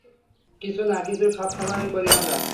কিছু না কিছু তো সবসময়েই করি আমরা।